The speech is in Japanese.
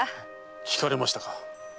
聞かれましたか。